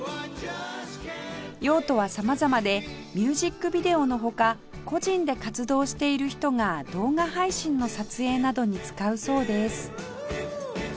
用途は様々でミュージックビデオの他個人で活動している人が動画配信の撮影などに使うそうです